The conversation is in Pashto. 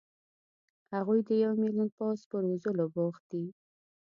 هغوی د یو ملیون پوځ په روزلو بوخت دي.